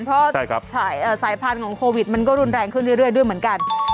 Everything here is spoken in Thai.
เพราะสายพันธุ์ของโควิดมันก็รุนแรงขึ้นเรื่อยด้วยเหมือนกัน